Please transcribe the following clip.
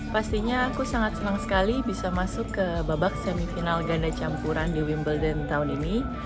pastinya aku sangat senang sekali bisa masuk ke babak semifinal ganda campuran di wimbledon tahun ini